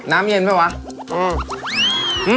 น้ำเย็นใช่ไหมวะอืม